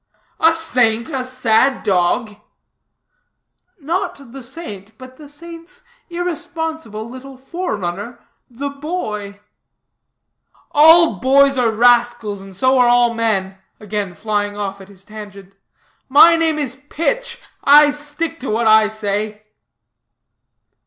"A saint a sad dog?" "Not the saint, but the saint's irresponsible little forerunner the boy." "All boys are rascals, and so are all men," again flying off at his tangent; "my name is Pitch; I stick to what I say."